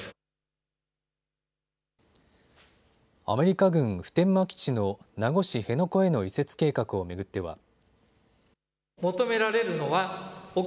アメリカ軍普天間基地の名護市辺野古への移設計画を巡っては。